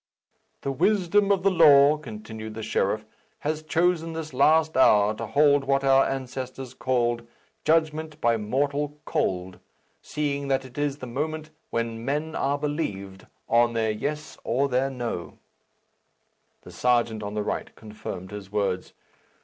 "The wisdom of the law," continued the sheriff, "has chosen this last hour to hold what our ancestors called 'judgment by mortal cold,' seeing that it is the moment when men are believed on their yes or their no." The serjeant on the right confirmed his words.